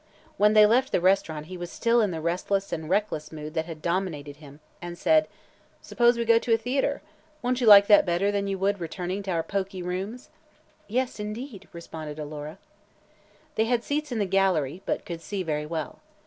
When they left the restaurant he was still in the restless and reckless mood that had dominated him and said: "Suppose we go to a theatre? Won't you like that better than you would returning to our poky rooms?" "Yes, indeed," responded Alora. They had seats in the gallery, but could see very well.